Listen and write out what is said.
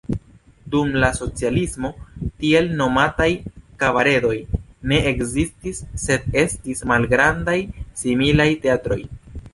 Dum la socialismo tiel nomataj kabaredoj ne ekzistis, sed estis malgrandaj similaj teatroj.